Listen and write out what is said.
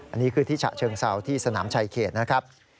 อันนี้คือที่ฉะเชิงเซาที่สนามชายเขตนะครับ